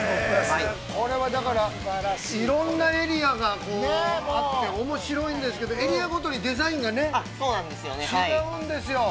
◆これはだから、いろんなエリアがあっておもしろいんですけれども、エリアごとにデザインがね、違うんですよ。